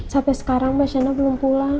sampai sekarang mbak sienna belum pulang